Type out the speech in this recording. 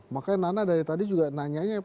makanya nana dari tadi juga nanya